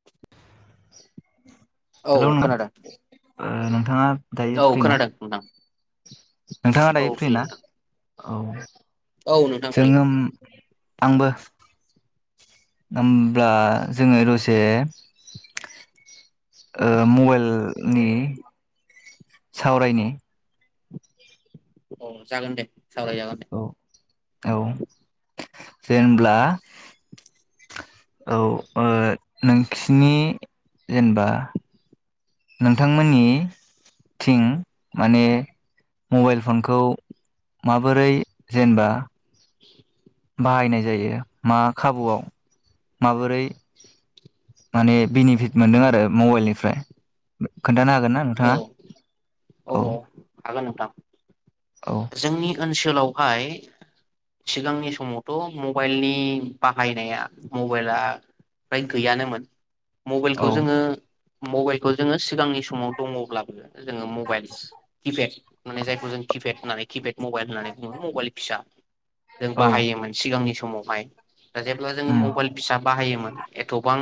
[inaudible] औ नों खोनादों। ओ नोंथाङा दायो औ फ्रि ना खोनादों नोंथां नोंथाङा दायो औ फ्रि ना नोंथां औ औ नोंथां फ्रि जोङो आंबो होब्ला जोङो दसे ओ मबाइलनि सावरायनि औ जागोन दे सावरायजागोन दे औ औ जेनब्ला औ ओ नोंसिनि जेनेबा नोंथांमोननि थिं माने मबाइल फनखौ माबोरै जेनेबा [inaudible] बाहायनाय जायो मा खाबुआव माबोरै माने बेनिफिट मोनदों आरो मबाइलनिफ्राय खोन्थानो हागोन ना औ नोंथाङा? औ हागोन नोंथां। औ जोंनि ओनसोलावहाय सिगांनि समावथ मबाइलनि बाहायनाया मबाइला फ्राय गैयानोमोन औ मबाइलखौ जोङो मबाइलखौ जोङो सिगांनि स समाव दङब्लाबो जोङो मबाइलस किपेड माने जायखौ जों किपेड होननानै किफेट मबाइल होननानै बुङो मबाइल फिसा जों औ बाहायोमोन सिगांनि सम समावहाय। दा जेब्ला जोङो उम मबाइल फिसा बाहायोमोन एथबां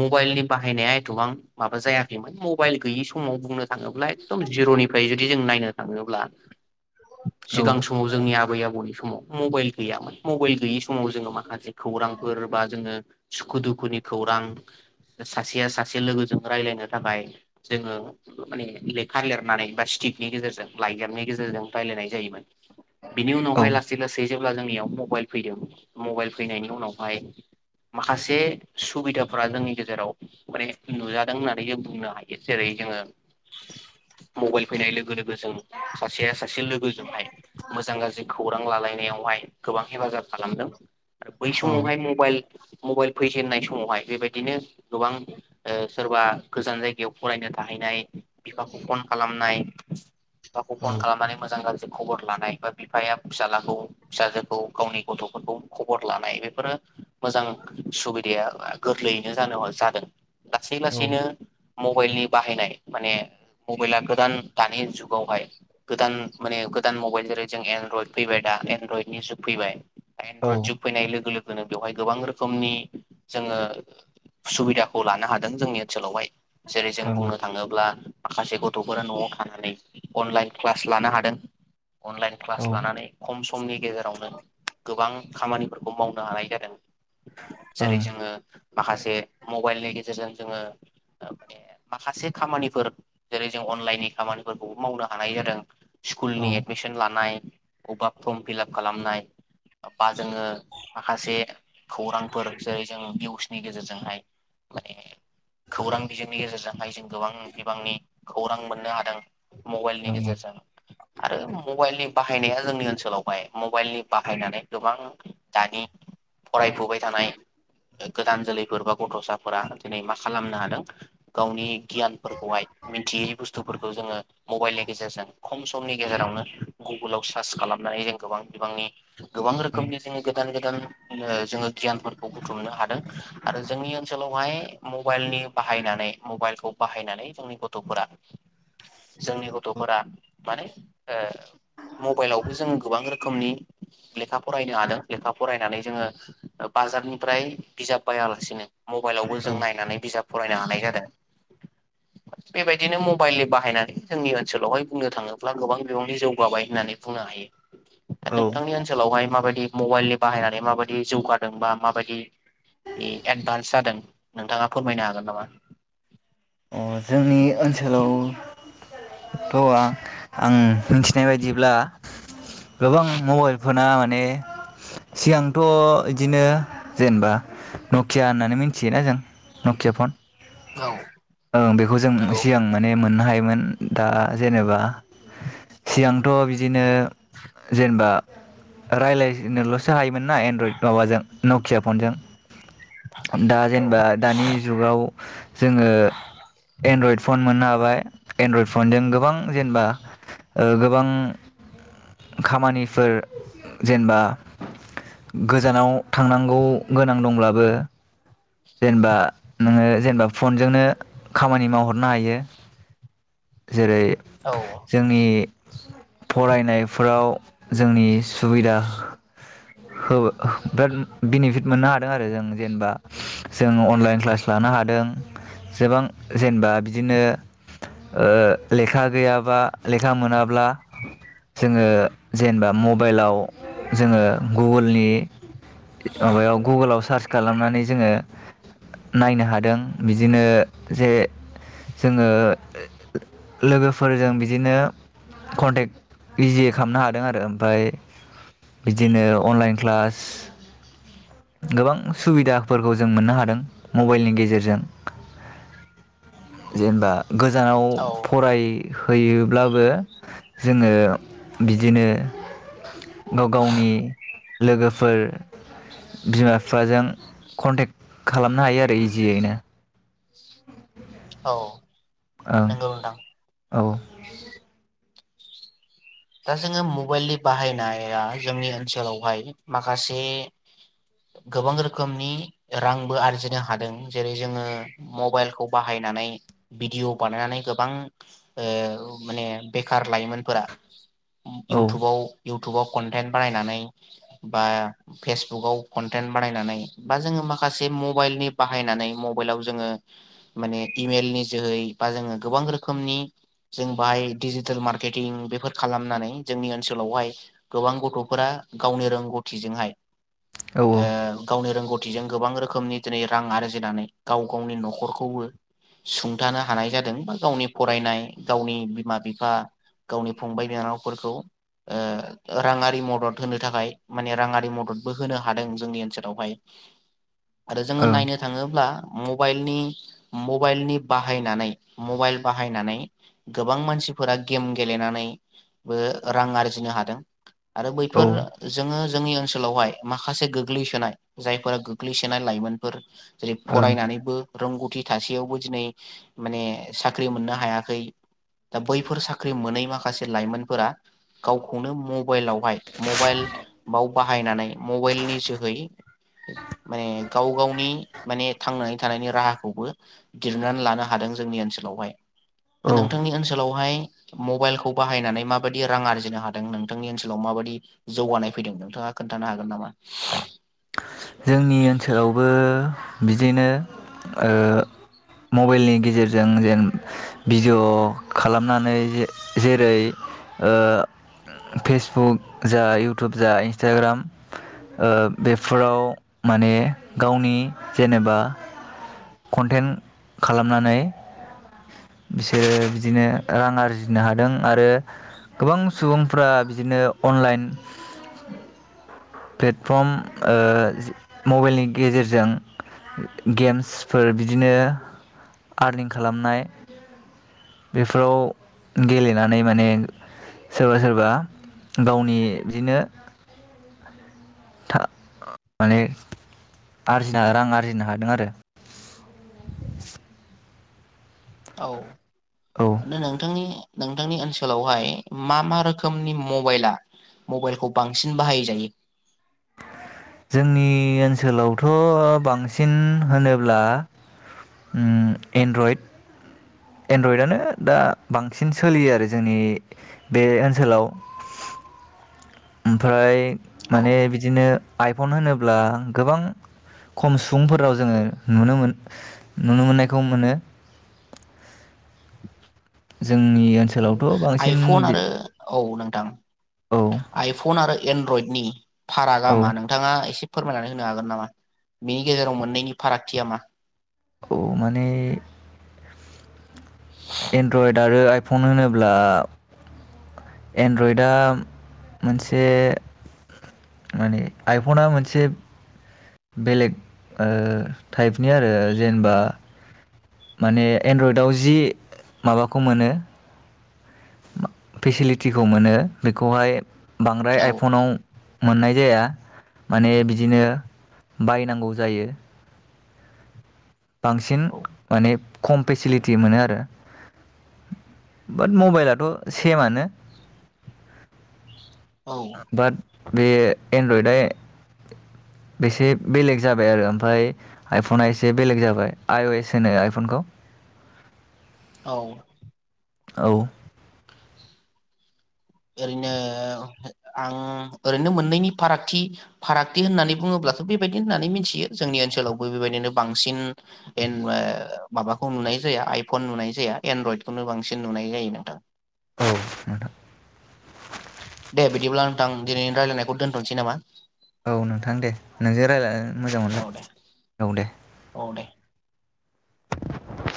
मबाइलनि बाहायनाया एथबां माबा जायाखैमोन मबाइल गैयि समाव बुंनो थाङोब्ला एकदम जिरनि जुदि जों नायनो थाङोब्ला औ सिगां समाव जोंनि आबै आबौनि स समाव मबाइल गैयामोन मबाइल गैयै समाव जोङो माखासे खौरांफोर बा जोङो सुखु दुखुनि खौरां सासेया सासे लोगोजों रायजलायनो थाखाय जोङो माने लेखा लिरनानै बा स्टिकनि गेजेरजों लाइजामनि गेजेरजों रायजलायनाय जायोमोन। बिनि औ उनावहाय लासै लासै जेब्ला जोंनियाव मबाइल फैदों मबाइल फैनायनि उनावहाय माखासे सुबिदाफोरा जोंनि गेजेराव माने नुजादों होननानै जों बुंनो हायो जेरै जोङो मबाइल फैनाय लोगो लोगो जों सासे से लोगोजोंहाय मोजां गाज्रि खौरां लालाय बेयावहाय गोबां हेफाजाब खालामदों। आरो बै औ समावहाय मबाइल मबाइल फैजेननाय समावहाय बेबायदिनो गोबां ओ सोरबा गोजान जायगायाव फरायनो थाहैनाय बिफाखौ फन खालामनाय बिफाखौ औ फन ओं खालामनानै मोजां गाज्रि खबर लानाय बा बिफाया फिसाखौ फिसाजोखौ गावनि गथफोरखौ खबर लानाय बेफोरो मोजां सुबिदाया गोरलैयैनो जानो जादों। लासै औ ओं लासैनो मबाइलनि बाहायनाय माने मबाइला गोदान दानि जुगावहाय गोदान मानि गोदान मबाइल जों एनरयड फैबाय दा एनरयडनि जुग फैबाय। औ एनरयड जुग फैनाय लोगो लोगो [unintelligible] बेवहाय गोबां रोखोमनि जोङो सुबिदाखौ लानो हादों जोंनि ओनसोलावहाय। जेरै जों बुंनो थाङोब्ला माखासे गथफोरा नआव थानानै अनलाइन क्लास लानो हादों। अनलाइन क्लास लानानै खम समनि गेजेरावनो गोबां खामानिफोरखौ माव हानाय जादों। जेरै जोङो माखासे म मबाइलनि गेजेरजों जोङो माने माखासे खामानिफोर जेरै जों अनलाइननि खामानिफोरखौबो मावनो हानाय जादों। स्कुलनि एडमिसन लानाय। अबावबा फर्म फिलाप खालामनाय बा जोङो माखासे खौरांफोर जेरै जों निउसनि गेजेरजोंहाय माने खौरां बिजोंनि गेजेरजोंहाय जों गोबां बिबांनि खौरां मोननो हादों। मबाइलनि गेजेरजों। आरो मबाइलनि बाहायनाया जोंनि ओनसोलावहाय मबाइलनि बाहायनानै गोबां दानि फरायफुबाय थानाय गोदान जोलैफोर बा गथसाफोरा दिनै मा खालामनो हादों गावनि गियानफोरखौहाय मिथियै बुस्थुफोरखौ जोङो मबाइलनि गेजेरजों खम समनि गेजेरावनो गुगोलाव सार्च खालामनानै जों गोबां बिबांनि गोबां रोखोमनि जोङो गोदान गोदान जोङो गियानफोरखौ बुथुमनो हादों आरो जोंनि ओनसोलाव बहाय मबाइलनि बाहायनानै मबाइलखौ बाहायनानै जोंनि गथफोरा जोंनि गथफोरा माने ओ मबाइलावबो जोङो गोबां रोखोमनि लेखा फरायनो हादों लेखा फरायनानै जोङो बाजारनिफ्राय बिजाब बायालासिनो मबाइलावबो औ जों नायनानै बिजाब फरायनो हानाय जादों बेबायदिनो मबाइलनि बाहायनानै जोंनि ओनसोलावहाय बुंनो थाङोब्ला गोबां बिबांनि जौगाबाय होननानै बुंनो हायो। दा औ नोंथांनि ओनसोलावहाय माबादि मबाइल बाहायनानै माबायदि जौगादों बा माबायदि एदभानस जादों नोंथाङा फोरमायनो हागोन नामा? अ जोंनि ओनसोलाव थ आ आं [unintelligible] बायदिब्ला गोबां मबाइल पना ने सिगां थ बिदिनो जेनेबा नकिया होननानै मिथियोना जों नकिया फन औ ओं ओं बेखौ जों नंगौ सिगां माने मोननो हायो मोन दा जेनेबा सिगांथ बिदिनो जेनेबा रायलायनोलसो हायोमोन मोनना एनड्रइड माबाजों नकिया फनजों दा औ जेनेबा दानि जुगाव जोङो एनड्रइड फन मोननो हाबाय एनड्रइडफनजों गोबां जेनेबा ओ गोबां गोबां खामानिफोर जेनेबा गोजानाव थांनांगौ गोनां दंब्लाबो जेनेबा नोङो जेनेबा फनजोंनो खामानि मावहरनो हायो जेरै जोंनि फरायनायफोराव जोंनि सुबिदा होबाय बिराद बिनिफिट मोनो हादों हादों आरो जों जेनेबा जों अनलाइन क्लास लानो हादों सेबां जेनेबा बिदिनो ओ लेखा गैयाबा, लेखा मोनाब्ला जोङो जेनेबा मबाइलाव जोङो गुगुलनि माबायाव गुगोलाव सार्च खालामनानै जोङो नायनो हादों, बिदिनो जे जोङो लोगोफोरजों बिदिनो कन्टेक्ट इजि खालामनो हादों आरो ओमफाय बिदिनो अनलाइन क्लास गोबां सुबिदा फोरखौ जों मोननो हादों मबेइलनि गेजेरजों जेनेबा गोजानाव औ फराय हैयोब्लाबो जोङो बिदिनो गाव गावनि लोगोफोर, बिमा-बिफाजों कन्टेक्ट खालामनो हायो आरो इजियैनो। औ ओं नोंगौ नोंथां औ दा जोङो मबेइलनि बाहायनाया जोंनि ओनसोलावहाय माखासे गोबां रोखोमनि रांबो आरजिनो हादों। जेरै जोङो मबेइलखौ बाहायनानै भिडिअ बानायनानै गोबां ओ माने बेखार लाइमोनफोरा औ इउटुबाव इउटुबाव कनटेन्ट बानायनानै बा फेसबुकाव कनटेन्ट बानायनानै बा जोङो माखासे मबाइलनि बाहायनानै मबाइलाव जोङो माने इमेलनि जोहै बा जोङो गोबां रोखोमनि जों बाहाय डिजिटेल मार्केटिं बेफोर खालामनानै जोंनि ओनसोलावहाय गोबां गथ'फोरा गावनि रोंगौथिजोंहाय औ ओ गावनि रोंगौ थिजों गोबां रोखोमनि दिनै रां आरजिनानै गाव गावनि नखरखौबो सुंथानो हानाय जादों बा गावनि फरायनाय गावनि बिमा बिफा गावनि फंबाय बिनानावफोरखौ राङारि मदद होनो थाखाय माने राङारि मददबो होनो हादों जोंनि ओनसोलावहाय। आरो जोङो औ ओं नायनो थाङोब्ला मबाइलनि मबाइलनि बाहायनानै मबाइल बाहायनानै गोबां मानसिफोरा गेम गेलेनानै बो रां आरजिनो हादों। आरो बैफोर औ जोङो जोंनि ओन ओनसोलावहाय माखासे गोग्लैसोनाय जायफोरा गोग्लैसोनाय लाइमोनफोर जेरै ओं फरायनानैबो रोंगौथि थासेयावबो दिनै माने साख्रि मोननो हायाखै दा बैफोर साख्रि मोनै माखासे लाइमोनफोरा गावखौनो मबाइलावहाय मबाइलाव बाहायनानै मबाइलनि जोहै माने गाव गावनि माने थांनानै थानायनि राहाखौबो दिहुननानै लानो हादों जोंनि ओनसोलावहाय। औ नोंथांनि ओनसोलावहाय मबाइल खौ बाहायनानै माबादि रां आरजिनो हादों नोंथांनि ओनसोलाव माबायदि जौगानाय फैदों नोंथाङा खोन्थानो हागोन नामा? जोंनि ओनसोलावबो बिदिनो मबाइलनि गेजेरजों जेन भिडिय खालामनानै जेरै फेसबुक जा इउटुब जा इन्सटाग्राम ओ बे फोराव माने गावनि जेनेबा कनटेन्ट खालामनानै बिसोरो बिदिनो रां आरजिनो हादों आरो गोबां सुबुंफ्रा बिदिनो अनलाइन प्लेटफर्म ओ मबाइलनि गेजेरजों गेम्सफोर बिदिनो आरनिं खालामनाय बेफोराव गेलेनानै माने सोरबा सोरबा गावनि बिदिनो माने आरजिनो रां आरजिनो हादों आरो। औ औ दा नोंथांनि नोंथांनि ओनसोलावहाय मा मा रोखोमनि मबाइला मबाइलखौ बांसिन बाहायजायो? जोंनि ओनसोलावथ बांसिन होनोब्ला एनड्रइड एनड्रइडआनो दा बांसिन सोलियो आरो जोंनि बे ओनसोलाव। ओमफ्राय औ माने बिदिनो आइफन होनोब्ला गोबां खम सुबुंफोरनाव जोङो नुनो मोन नुनो मोननायखौ मोनो। जों आइफन आरो औ नों दां औ आइफन आरो एनड्रइडनि फारागा औ मा नोंथाङा एसे फोरमायनानै होनो हागोन नामा बिनि गेजेराव मोननैनि फारागथिया मा? औ माने एन्ड्रयड आरो आइ फन होनोब्ला एन्ड्रइडआ मोनसे माने आइफना मोनसे बेलेग ओ टाइपनि आरो जेनबा माने एनड्रयडआव जि माबाखौ मोनो फेसिलिटिखौ मोनो बेखौहाय बांद्राय औ आइफनाव मोननाय जाया माने बिदिनो बायनांगौ जायो। बांसिन औ माने खम फेसिलि मोनो आरो बाट मबाइलाथ' सेमानो। औ बाट बे एनड्रयडआ बेसे बेलेग जाबाय आरो ओमफ्राय आइफना एसे बेलेग जाबाय आइअ एस होनो आइफनखौ। औ। औ। ओरैनो आं ओरैनो मोननैनि फारागथि फारागथि होननानै बुङोब्लाथ' बेबायदि होननानै मिथियो जोंनि ओनसोलावबो बेबायदिनो बांसिन एन-माबाखौ नुनाय जाया आइफन नुनाय जाया एनड्रयडखौनो बांसिन नुनाय जायो नोंथां। औ नोंथां। दे बिदिब्ला नोंथां दिनैनि रायलायनायखौ दोन्थ'नोसै नामा? औ नोंथां दे नोंजों रायज्लायना मोजां मोनदों औ दे औ दे। औ दे।